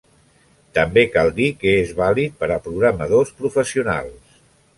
També cal dir que és vàlid per a programadors professionals.